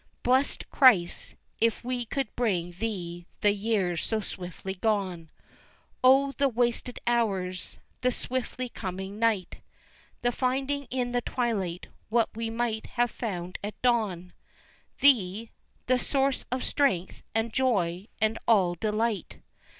Blessed Christ, if we could bring Thee the years so swiftly gone, O the wasted hours! the swiftly coming night! The finding in the twilight what we might have found at dawn Thee the source of strength, and joy, and all delight!